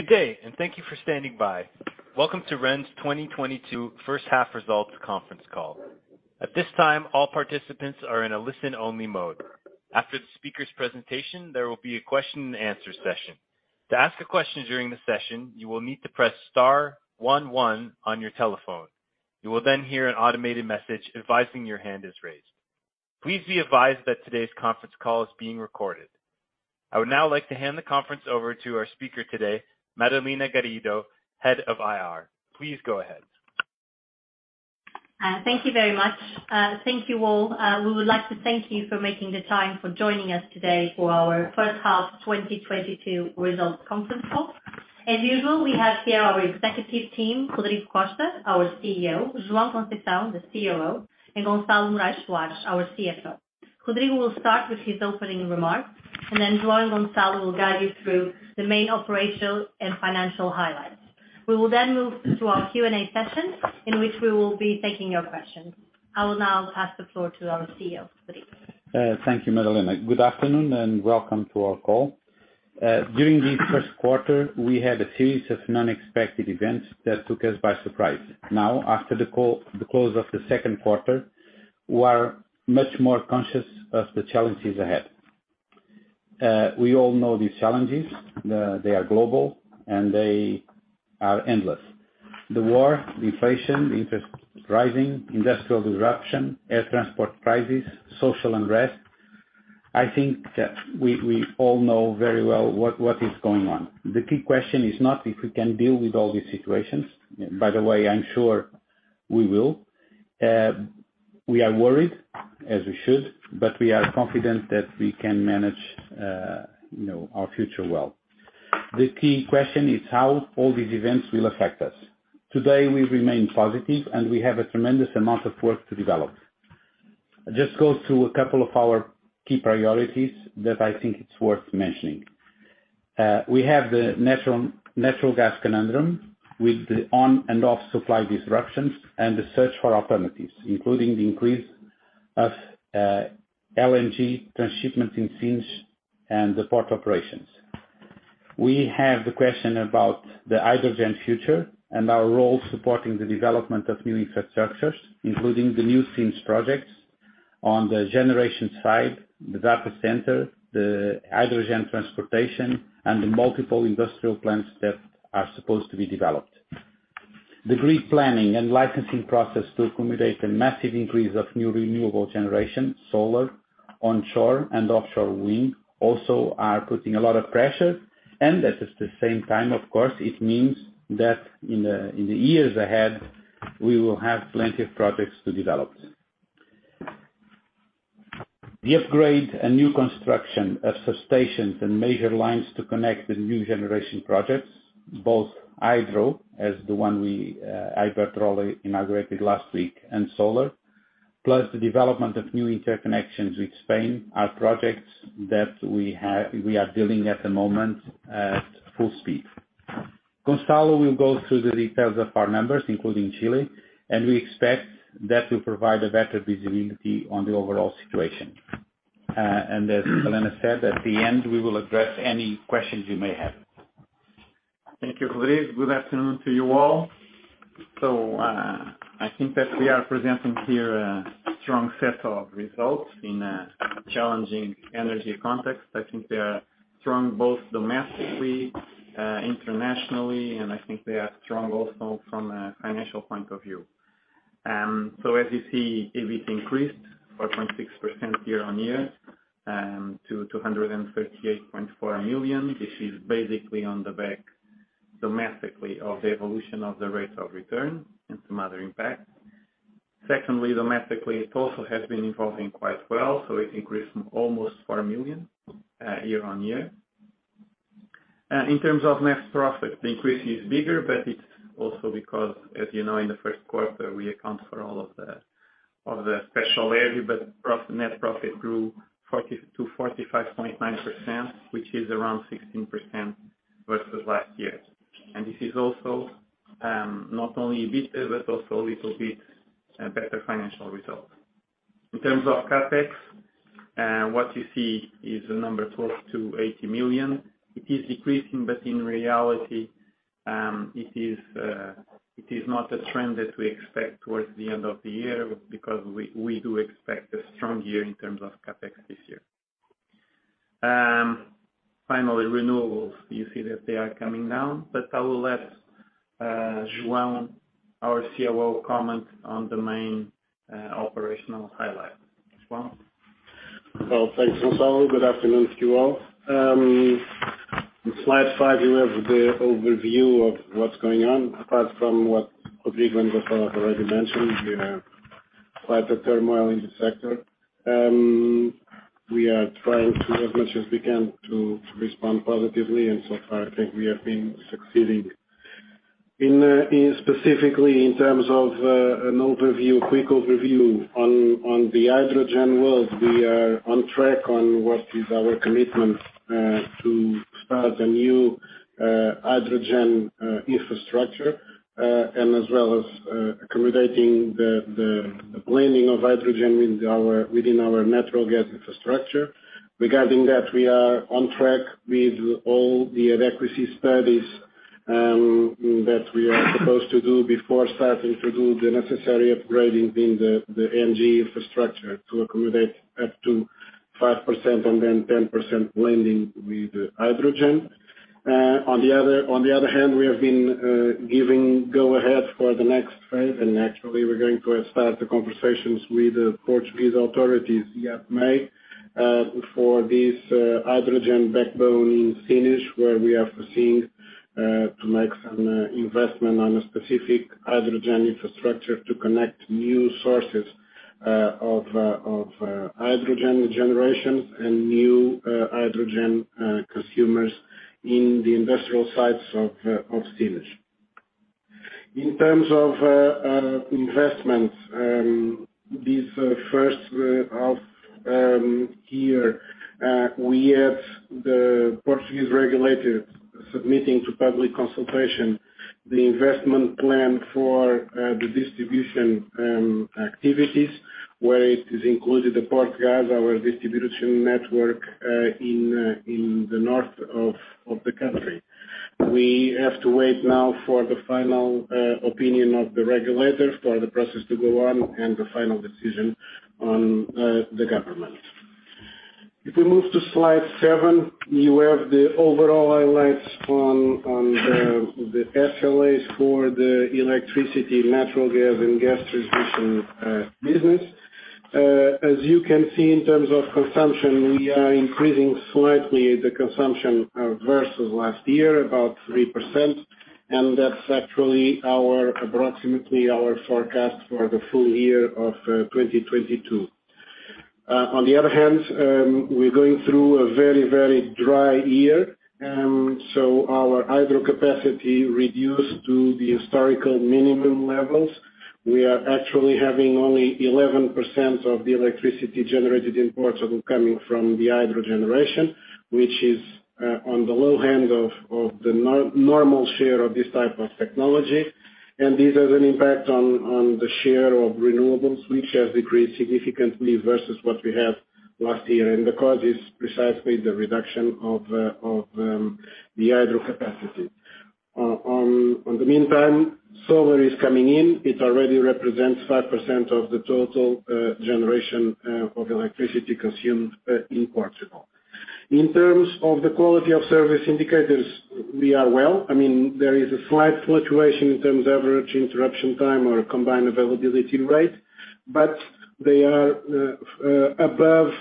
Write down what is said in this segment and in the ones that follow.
Good day, and thank you for standing by. Welcome to REN's 2022 first half results conference call. At this time, all participants are in a listen-only mode. After the speaker's presentation, there will be a question and answer session. To ask a question during the session, you will need to press star one one on your telephone. You will then hear an automated message advising your hand is raised. Please be advised that today's conference call is being recorded. I would now like to hand the conference over to our speaker today, Madalena Garrido, Head of IR. Please go ahead. Thank you very much. Thank you all. We would like to thank you for making the time for joining us today for our first half 2022 results conference call. As usual, we have here our executive team, Rodrigo Costa, our Chief Executive Officer, João Conceição, the Chief Operating Officer, and Gonçalo Morais Soares, our Chief Financial Officer. Rodrigo will start with his opening remarks, and then João and Gonçalo will guide you through the main operational and financial highlights. We will then move to our Q&A session, in which we will be taking your questions. I will now pass the floor to our Chief Executive Officer, Rodrigo. Thank you, Madalena. Good afternoon and welcome to our call. During this first quarter, we had a series of unexpected events that took us by surprise. Now, after the close of the second quarter, we are much more conscious of the challenges ahead. We all know these challenges. They are global and they are endless. The war, the inflation, interest rising, industrial disruption, air transport prices, social unrest. I think that we all know very well what is going on. The key question is not if we can deal with all these situations, by the way, I'm sure we will. We are worried, as we should, but we are confident that we can manage, you know, our future well. The key question is how all these events will affect us. Today, we remain positive and we have a tremendous amount of work to develop. I'll just go through a couple of our key priorities that I think it's worth mentioning. We have the natural gas conundrum with the on and off supply disruptions and the search for alternatives, including the increase of LNG transshipment in Sines and the port operations. We have the question about the hydrogen future and our role supporting the development of new infrastructures, including the new Sines projects on the generation side, the data center, the hydrogen transportation, and the multiple industrial plants that are supposed to be developed. The grid planning and licensing process to accommodate a massive increase of new renewable generation, solar, onshore and offshore wind, also are putting a lot of pressure. At the same time, of course, it means that in the years ahead we will have plenty of projects to develop. The upgrade and new construction of substations and major lines to connect the new generation projects, both hydro, as the one we, Alto Tâmega, inaugurated last week and solar, plus the development of new interconnections with Spain are projects that we are building at the moment at full speed. Gonçalo will go through the details of our numbers, including Chile, and we expect that to provide a better visibility on the overall situation. As Madalena Garrido said, at the end, we will address any questions you may have. Thank you, Rodrigo. Good afternoon to you all. I think that we are presenting here a strong set of results in a challenging energy context. I think they are strong, both domestically, internationally, and I think they are strong also from a financial point of view. As you see, EBITDA increased 4.6% year-on-year to 238.4 million. This is basically on the back domestically of the evolution of the rates of return and some other impacts. Secondly, domestically, it also has been evolving quite well, so it increased from almost 4 million year-on-year. In terms of net profit, the increase is bigger, but it's also because, as you know, in the first quarter we account for net profit grew 40%-45.9%, which is around 16% versus last year. This is also not only EBITDA but also a little bit better financial result. In terms of CapEx, what you see is a number close to 80 million. It is decreasing, but in reality, it is not a trend that we expect towards the end of the year because we do expect a strong year in terms of CapEx this year. Finally, renewables, you see that they are coming down. I will let João, our Chief Operating Officer, comment on the main operational highlight. João. Well, thanks, Gonçalo. Good afternoon to you all. In slide five, you have the overview of what's going on. Apart from what Rodrigo and Gonçalo have already mentioned, we have quite a turmoil in the sector. We are trying, as much as we can, to respond positively. So far, I think we have been succeeding. Specifically, in terms of a quick overview on the hydrogen world, we are on track on what is our commitment to start a new hydrogen infrastructure and as well as accommodating the blending of hydrogen within our natural gas infrastructure. Regarding that, we are on track with all the adequacy studies that we are supposed to do before starting to do the necessary upgrading in the NG infrastructure to accommodate up to 5% and then 10% blending with hydrogen. On the other hand, we have been giving go-ahead for the next phase, and actually we're going to start the conversations with the Portuguese authorities in May for this hydrogen backbone in Sines, where we are foreseeing to make some investment on a specific hydrogen infrastructure to connect new sources of hydrogen generations and new hydrogen consumers in the industrial sites of Sines. In terms of investments, this first half year, we have the Portuguese regulator submitting to public consultation the investment plan for the distribution activities, where it is included the Portgás, our distribution network, in the north of the country. We have to wait now for the final opinion of the regulator for the process to go on and the final decision on the government. If we move to slide seven, you have the overall highlights on the SLAs for the electricity, natural gas, and gas transmission business. As you can see, in terms of consumption, we are increasing slightly the consumption versus last year, about 3%, and that's actually approximately our forecast for the full year of 2022. On the other hand, we're going through a very dry year, so our hydro capacity reduced to the historical minimum levels. We are actually having only 11% of the electricity generated in Portugal coming from the hydro generation, which is on the low end of the normal share of this type of technology. This has an impact on the share of renewables, which has decreased significantly versus what we had last year. The cause is precisely the reduction of the hydro capacity. In the meantime, solar is coming in. It already represents 5% of the total generation of electricity consumed in Portugal. In terms of the quality of service indicators, we are well. I mean, there is a slight fluctuation in terms of average interruption time or combined availability rate, but they are above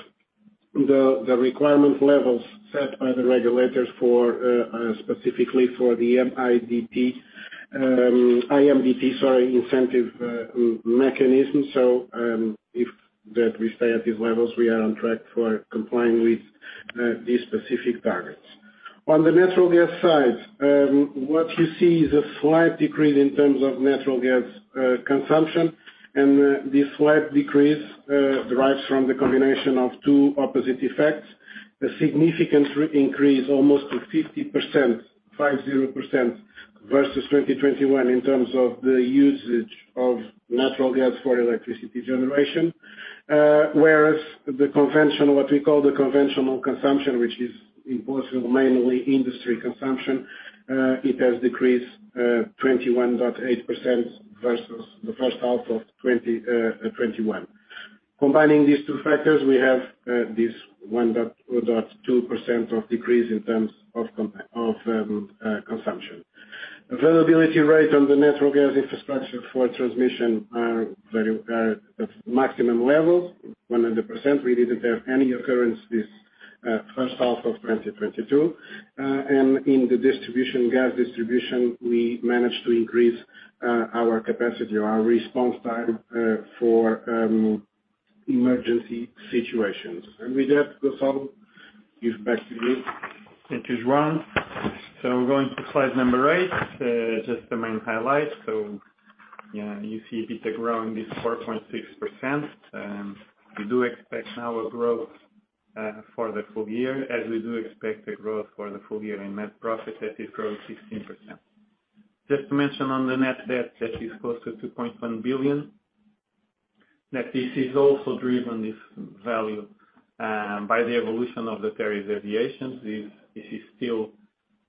the requirement levels set by the regulators for specifically for the PDIRT, IMDP, sorry, incentive mechanism. If that we stay at these levels, we are on track for complying with these specific targets. On the natural gas side, what you see is a slight decrease in terms of natural gas consumption. This slight decrease derives from the combination of two opposite effects. A significant re-increase, almost to 50%, 50%, versus 2021 in terms of the usage of natural gas for electricity generation. Whereas the conventional, what we call the conventional consumption, which is in Portugal, mainly industry consumption, it has decreased 21.8% versus the first half of 2021. Combining these two factors, we have this 1.2% decrease in terms of consumption. Availability rate on the natural gas infrastructure for transmission are very of maximum levels, 100%. We didn't have any occurrences first half of 2022. In the distribution, gas distribution, we managed to increase our capacity or our response time for emergency situations. With that, Gonçalo, give back to you. Thank you, João. We're going to slide number eight, just the main highlights. You know, you see EBITDA growing 4.6%. We do expect now a growth for the full year in net profit, that is growing 16%. Just to mention on the net debt, that is close to 2.1 billion. That this is also driven, this value, by the evolution of the various variations. This is still,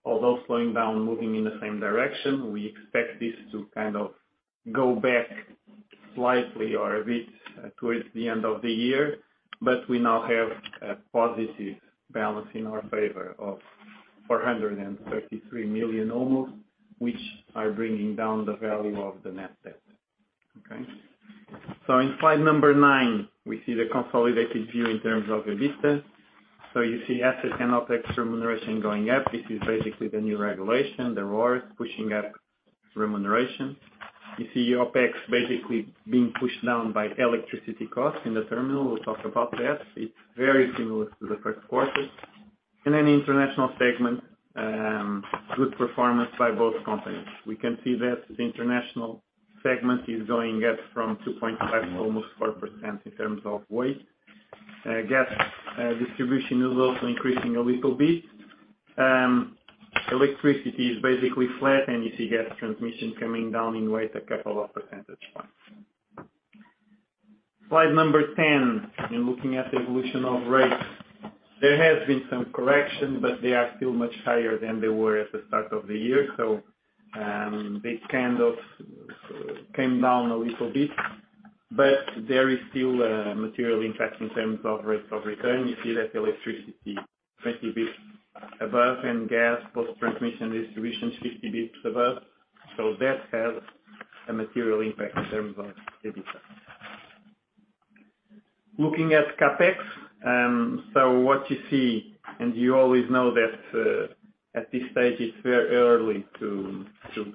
although slowing down, moving in the same direction. We expect this to kind of go back slightly or a bit towards the end of the year, but we now have a positive balance in our favor of almost 433 million, which are bringing down the value of the net debt. Okay? In slide nine, we see the consolidated view in terms of EBITDA. You see assets and OPEX remuneration going up. This is basically the new regulation, the RoR, pushing up remuneration. You see OPEX basically being pushed down by electricity costs in the terminal. We'll talk about that. It's very similar to the first quarter. International segment, good performance by both companies. We can see that the international segment is going up from 2.5, almost 4% in terms of weight. Gas distribution is also increasing a little bit. Electricity is basically flat, and you see gas transmission coming down in weight a couple of percentage points. Slide 10. In looking at the evolution of rates, there has been some correction, but they are still much higher than they were at the start of the year, they kind of came down a little bit, but there is still a material impact in terms of rates of return. You see that electricity 20 basis points above and gas, both transmission, distribution is 50 basis points above. That has a material impact in terms of EBITDA. Looking at CapEx, what you see, and you always know that at this stage it's very early to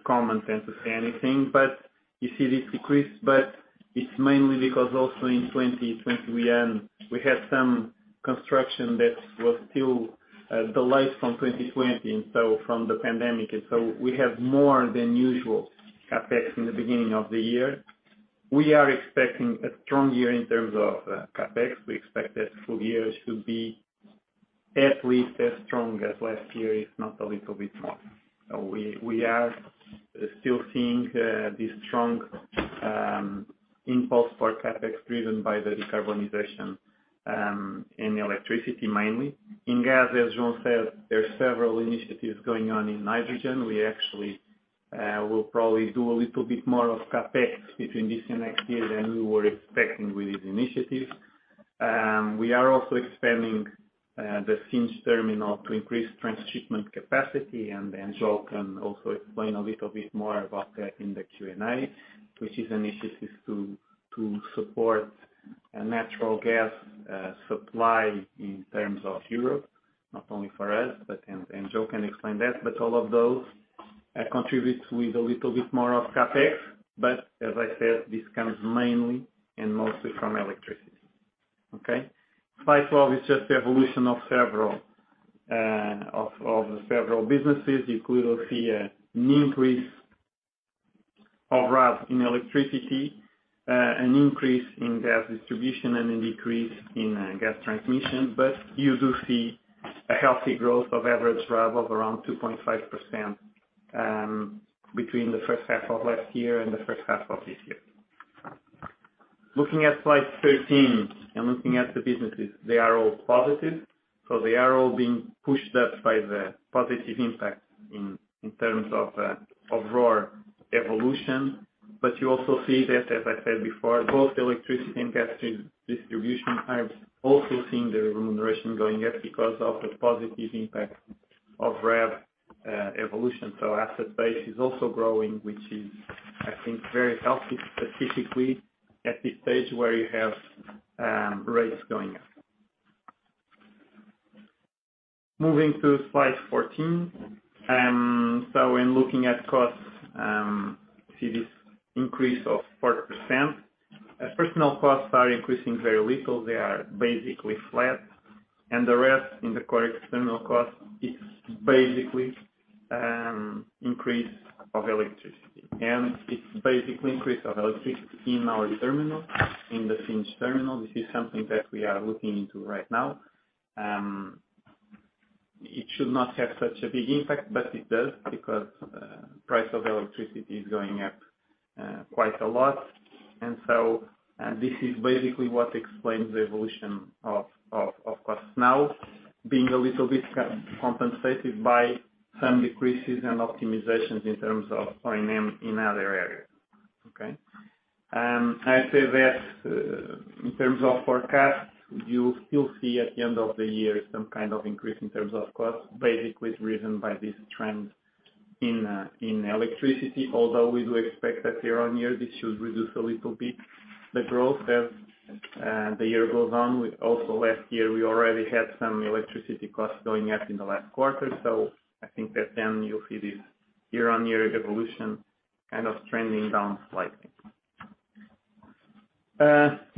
comment and to say anything, but you see this decrease, but it's mainly because also in 2020 we had some construction that was still delayed from 2020, and so from the pandemic, and so we have more than usual CapEx in the beginning of the year. We are expecting a strong year in terms of CapEx. We expect that full year should be at least as strong as last year, if not a little bit more. We are still seeing this strong impulse for CapEx driven by the decarbonization in electricity mainly. In gas, as João said, there are several initiatives going on in hydrogen. We actually will probably do a little bit more of CapEx between this and next year than we were expecting with these initiatives. We are also expanding the Sines terminal to increase transshipment capacity, and then João can also explain a little bit more about that in the Q&A, which is initiatives to support a natural gas supply in terms of Europe, not only for us, but João can explain that. All of those contribute with a little bit more of CapEx. As I said, this comes mainly and mostly from electricity. Okay? Slide 12 is just the evolution of several businesses. You could see an increase of RAV in electricity, an increase in gas distribution and a decrease in gas transmission. You do see a healthy growth of average RAV of around 2.5%, between the first half of last year and the first half of this year. Looking at slide 13 and looking at the businesses, they are all positive, so they are all being pushed up by the positive impact in terms of RAV evolution. You also see that, as I said before, both electricity and gas distribution are also seeing the remuneration going up because of the positive impact of RAV evolution. Asset base is also growing, which is, I think, very healthy, specifically at this stage where you have rates going up. Moving to slide 14, in looking at costs, see this increase of 4%. Personnel costs are increasing very little, they are basically flat. The rest in the core external cost, it's basically an increase of electricity in our terminal, in the Sines terminal. This is something that we are looking into right now. It should not have such a big impact, but it does because price of electricity is going up quite a lot. This is basically what explains the evolution of costs now being a little bit compensated by some decreases and optimizations in terms of O&M in other areas. Okay. I'd say that in terms of forecasts, you'll still see at the end of the year some kind of increase in terms of costs, basically driven by this trend in electricity. Although we do expect that year-on-year, this should reduce a little bit the growth as the year goes on. With also last year, we already had some electricity costs going up in the last quarter. I think that then you'll see this year-on-year evolution kind of trending down slightly.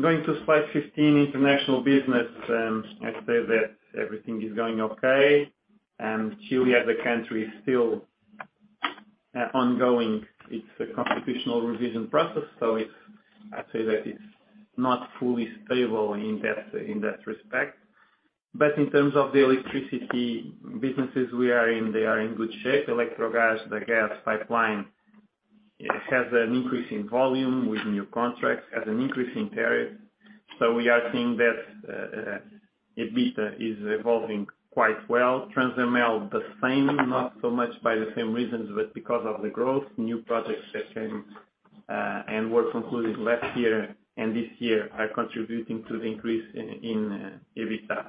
Going to slide 15, international business. I'd say that everything is going okay. Chile as a country is still undergoing its constitutional revision process. It's, I'd say that it's not fully stable in that respect. In terms of the electricity businesses we are in, they are in good shape. Electrogas, the gas pipeline, it has an increase in volume with new contracts, has an increase in tariff. We are seeing that EBITDA is evolving quite well. Transemel the same, not so much by the same reasons, but because of the growth, new projects that came and were concluded last year and this year are contributing to the increase in EBITDA.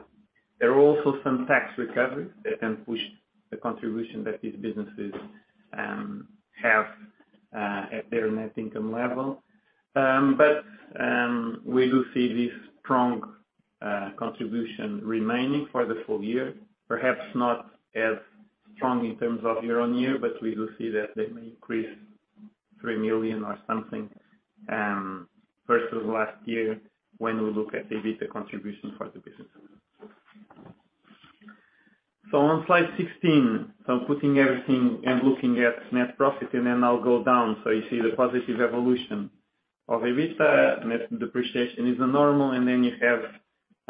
There are also some tax recoveries that can push the contribution that these businesses have at their net income level. We do see this strong contribution remaining for the full year. Perhaps not as strong in terms of year-on-year, but we do see that they may increase 3 million or something versus last year when we look at the EBITDA contribution for the businesses. On slide 16, putting everything and looking at net profit, and then I'll go down. You see the positive evolution of EBITDA. Net depreciation is normal, and then you have,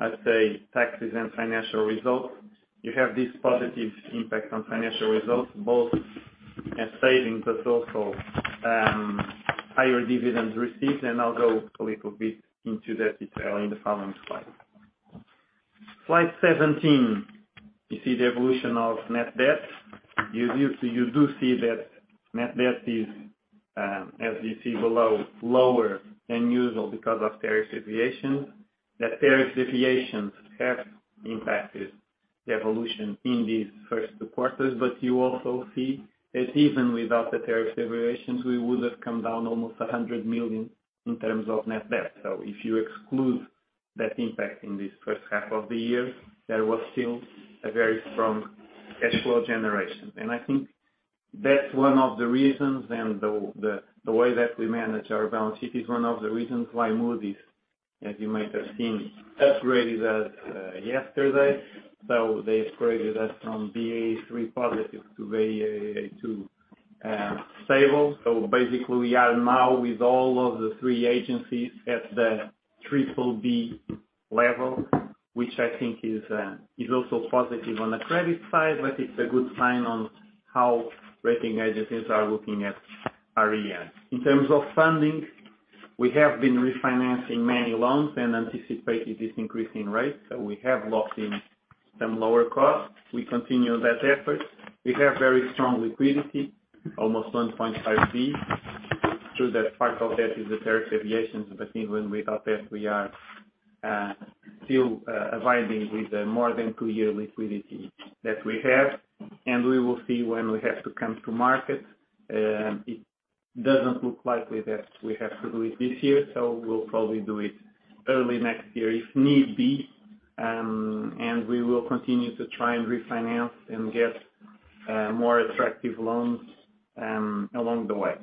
I'd say taxes and financial results. You have this positive impact on financial results, both as savings but also higher dividends received, and I'll go a little bit into that detail in the following slide. Slide 17, you see the evolution of net debt. You do see that net debt is, as you see below, lower than usual because of tariff deviations. The tariff deviations have impacted the evolution in these first two quarters, but you also see that even without the tariff deviations, we would have come down almost 100 million in terms of net debt. If you exclude that impact in this first half of the year, there was still a very strong cash flow generation. I think that's one of the reasons and the way that we manage our balance sheet is one of the reasons why Moody's, as you might have seen, upgraded us yesterday. They upgraded us from Baa3 positive to Baa2 stable. Basically we are now with all of the three agencies at the BBB level, which I think is also positive on the credit side, but it's a good sign on how rating agencies are looking at REN. In terms of funding, we have been refinancing many loans and anticipating this increase in rates. We have locked in some lower costs. We continue that effort. We have very strong liquidity, almost 1.5 billion. True that part of that is the tariff deviations, but even without that, we are still abiding with the more than two-year liquidity that we have. We will see when we have to come to market. It doesn't look likely that we have to do it this year, so we'll probably do it early next year if need be. We will continue to try and refinance and get more attractive loans along the way.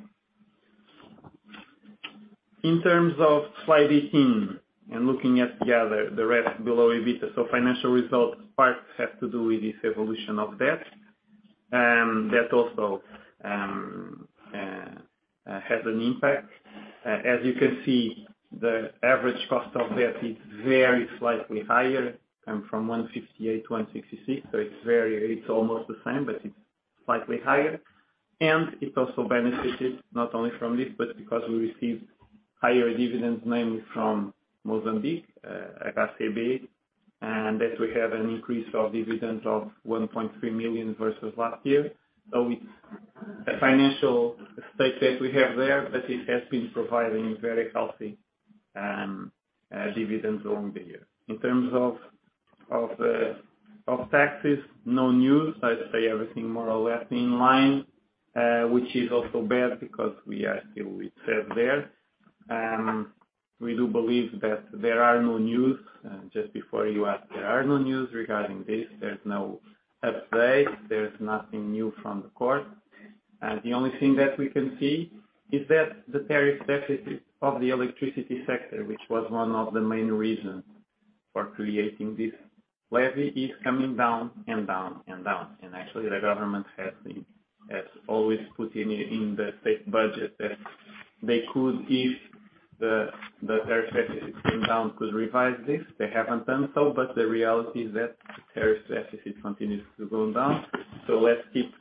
In terms of slide 18, looking at the other, the rest below EBITDA. Financial results part has to do with this evolution of debt. Debt also has an impact. As you can see, the average cost of debt is very slightly higher and from 158-166. It's almost the same, but it's slightly higher. It also benefited not only from this, but because we received higher dividends, mainly from Mozambique, CTRG, and that we have an increase of dividend of 1.3 million versus last year. It's a financial asset that we have there, but it has been providing very healthy dividends over the years. In terms of taxes, no news. I'd say everything more or less in line, which is also bad because we are still reserved there. We do believe that there are no news. Just before you ask, there are no news regarding this. There's no update. There's nothing new from the court. The only thing that we can see is that the tariff deficit of the electricity sector, which was one of the main reasons for creating this levy, is coming down. Actually, the government has always put in the state budget that they could, if the tariff deficit came down, could revise this. They haven't done so, but the reality is that the tariff deficit continues to go down. Let's keep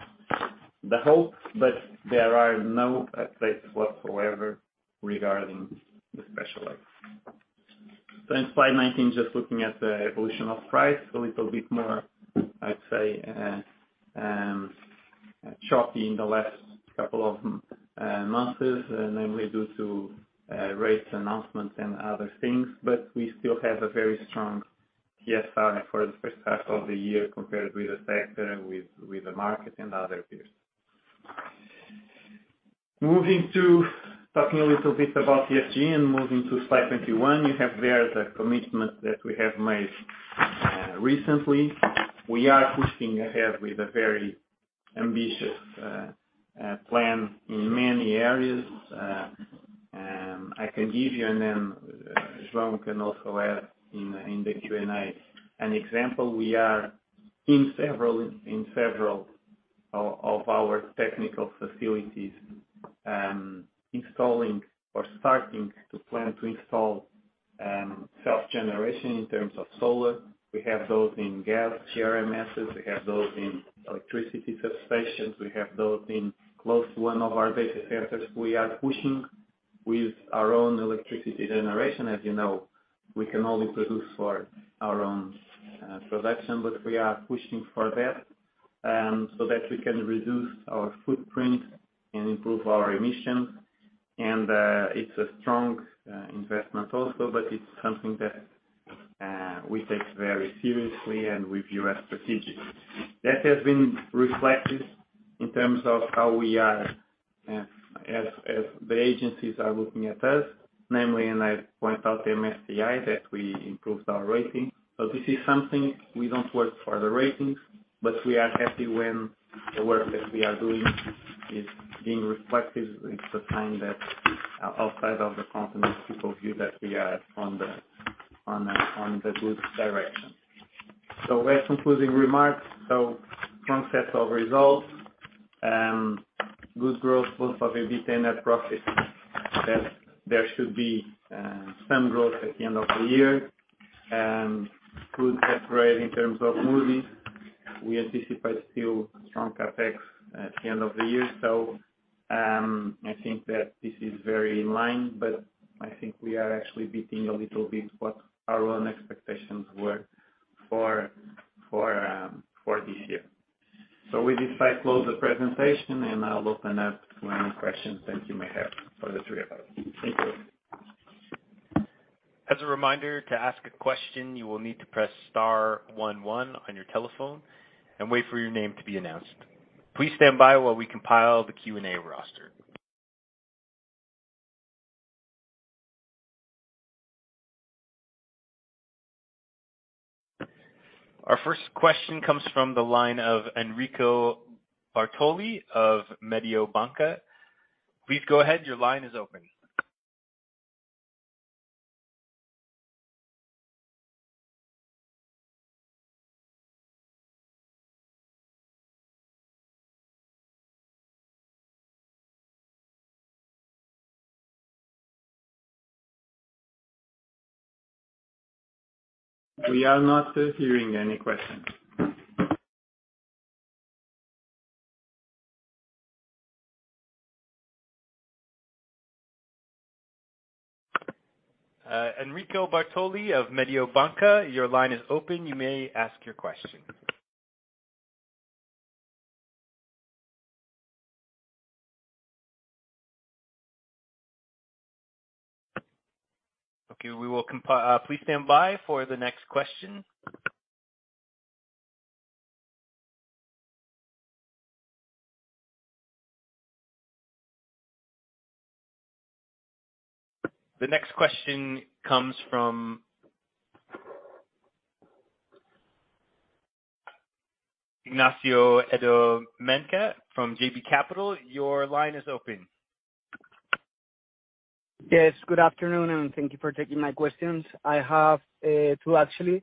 the hope, but there are no updates whatsoever regarding the special levy. In slide 19, just looking at the evolution of price, a little bit more, I'd say, choppy in the last couple of months, and mainly due to rates announcements and other things. We still have a very strong TSR for the first half of the year compared with the sector and the market and other peers. Moving to talking a little bit about ESG and moving to slide 21, you have there the commitment that we have made recently. We are pushing ahead with a very ambitious plan in many areas. I can give you and then João can also add in the Q&A an example. We are in several of our technical facilities installing or starting to plan to install self-generation in terms of solar. We have those in gas RMS. We have those in electricity substations. We have those in close to one of our data centers. We are pushing with our own electricity generation. As you know, we can only produce for our own production. We are pushing for that, so that we can reduce our footprint and improve our emission. It's a strong investment also, but it's something that we take very seriously and review as strategic. That has been reflected in terms of how we are, as the agencies are looking at us, namely, I point out the MSCI, that we improved our rating. This is something we don't work for the ratings, but we are happy when the work that we are doing is being reflected. It's a sign that outside of the company, people view that we are on the good direction. We're concluding remarks. Strong set of results, good growth both of EBITDA net profit. There should be some growth at the end of the year, good rating in terms of Moody's. We anticipate still strong CapEx at the end of the year. I think that this is very in line, but I think we are actually beating a little bit what our own expectations were for this year. With this, I close the presentation, and I'll open up to any questions that you may have for the three of us. Thank you. As a reminder, to ask a question, you will need to press star one one on your telephone and wait for your name to be announced. Please stand by while we compile the Q&A roster. Our first question comes from the line of Enrico Bartoli of Mediobanca. Please go ahead. Your line is open. We are not hearing any questions. Enrico Bartoli of Mediobanca, your line is open. You may ask your question. Okay, please stand by for the next question. The next question comes from Ignacio Domenech from JB Capital. Your line is open. Yes, good afternoon, and thank you for taking my questions. I have two actually.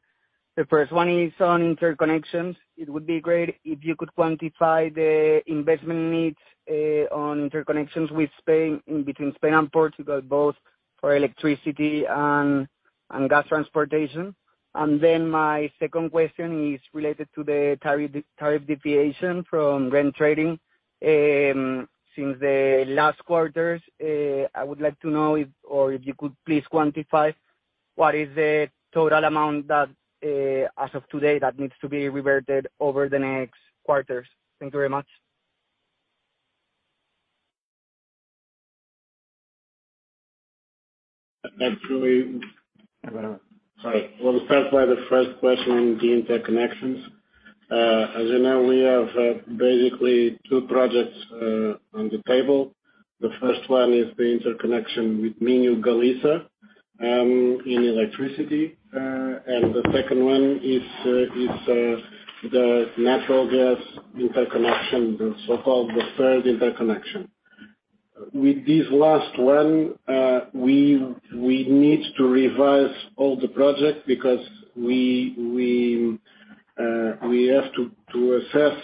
The first one is on interconnections. It would be great if you could quantify the investment needs on interconnections with Spain, in between Spain and Portugal, both for electricity and gas transportation. My second question is related to the tariff deviation from REN Trading. Since the last quarters, I would like to know if you could please quantify what is the total amount that as of today needs to be reverted over the next quarters. Thank you very much. Actually. Sorry. We'll start by the first question on the interconnections. As you know, we have basically two projects on the table. The first one is the interconnection with Minho-Galicia in electricity. The second one is the natural gas interconnection, the so-called third interconnection. With this last one, we have to assess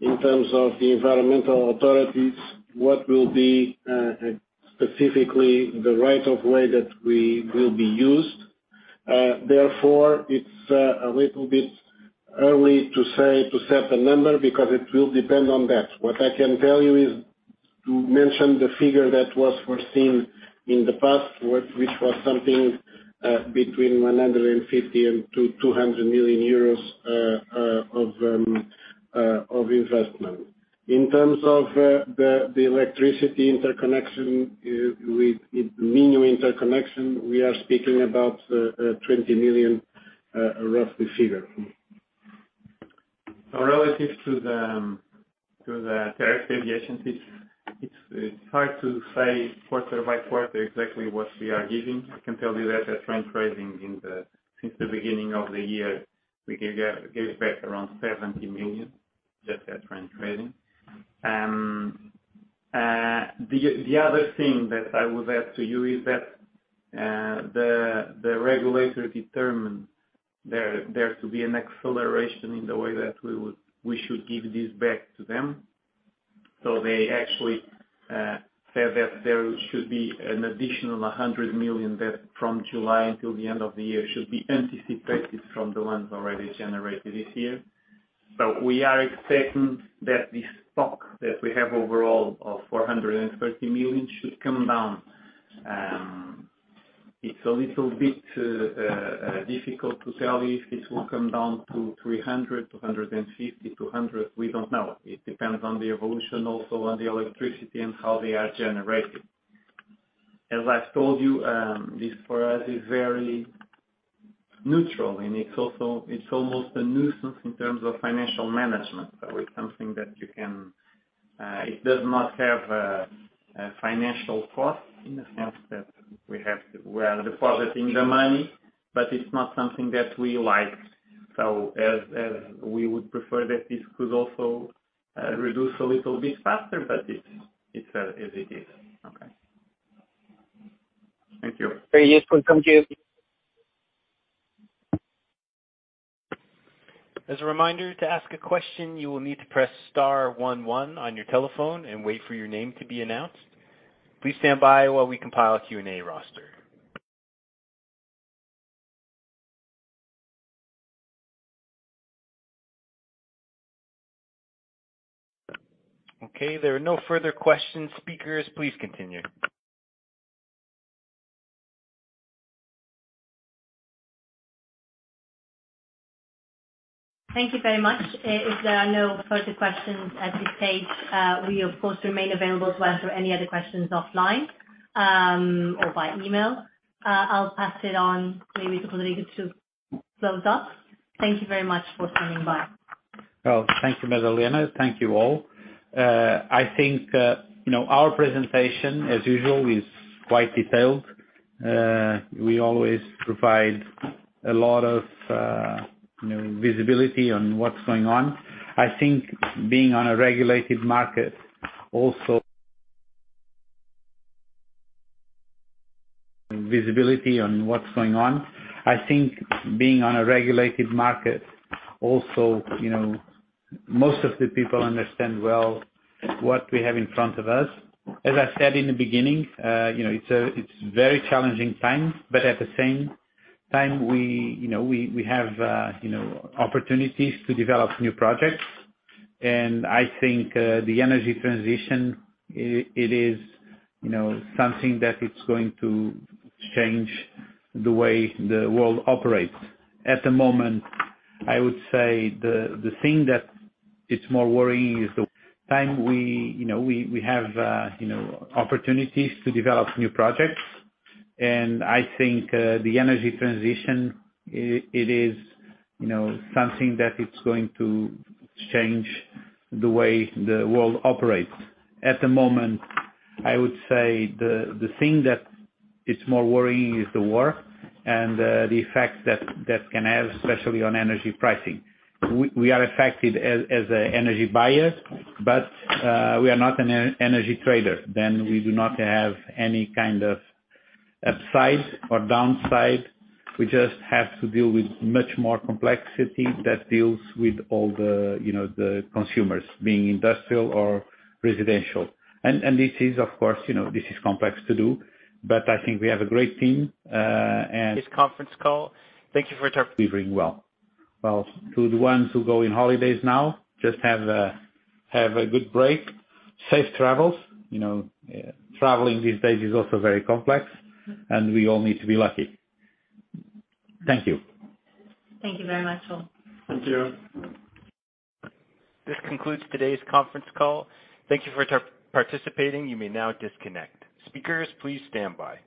in terms of the environmental authorities what will be specifically the right of way that we will be used. Therefore, it's a little bit early to set a number because it will depend on that. What I can tell you is to mention the figure that was foreseen in the past, which was something between 150 million and 200 million euros of investment. In terms of the electricity interconnection with Minho interconnection, we are speaking about 20 million, rough figure. Relative to the tariff deviations, it's hard to say quarter by quarter exactly what we are giving. I can tell you that at REN Trading since the beginning of the year, we gave back around 70 million just at REN Trading. The other thing that I would add to you is that the regulator determined there to be an acceleration in the way that we should give this back to them. They actually said that there should be an additional 100 million that from July until the end of the year, should be anticipated from the ones already generated this year. We are expecting that the stock that we have overall of 430 million should come down. It's a little bit difficult to tell if this will come down to 300, 250, 200. We don't know. It depends on the evolution, also on the electricity and how they are generated. As I've told you, this for us is very neutral, and it's also, it's almost a nuisance in terms of financial management. It's something that you can. It does not have a financial cost in the sense that we are depositing the money, but it's not something that we like. As we would prefer that this could also reduce a little bit faster, but it's as it is. Okay. Thank you. Very useful. Thank you. As a reminder, to ask a question, you will need to press star one one on your telephone and wait for your name to be announced. Please stand by while we compile a Q&A roster. Okay, there are no further questions. Speakers, please continue. Thank you very much. If there are no further questions at this stage, we of course remain available to answer any other questions offline, or by email. I'll pass it on maybe to Rodrigo to close up. Thank you very much for coming by. Well, thank you, Madalena. Thank you all. I think, you know, our presentation as usual is quite detailed. We always provide a lot of, you know, visibility on what's going on. I think being on a regulated market also, you know, most of the people understand well what we have in front of us. As I said in the beginning, you know, it's very challenging times, but at the same time we, you know, have, you know, opportunities to develop new projects. I think, the energy transition, it is, you know, something that it's going to change the way the world operates. At the moment, I would say the thing that it's more worrying is the time we you know have opportunities to develop new projects. I think the energy transition it is you know something that it's going to change the way the world operates. At the moment, I would say the thing that is more worrying is the war and the effect that that can have, especially on energy pricing. We are affected as a energy buyer, but we are not an energy trader, then we do not have any kind of upside or downside. We just have to deal with much more complexity that deals with all the you know the consumers being industrial or residential. This is of course, you know, this is complex to do, but I think we have a great team. This conference call. Thank you for your Be very well. Well, to the ones who go in holidays now, just have a good break. Safe travels. You know, traveling these days is also very complex, and we all need to be lucky. Thank you. Thank you very much, all. Thank you. This concludes today's conference call. Thank you for participating. You may now disconnect. Speakers, please stand by.